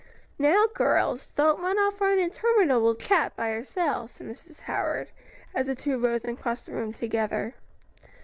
"Now girls, don't run off for an interminable chat by yourselves," said Mrs. Howard, as the two rose and crossed the room together.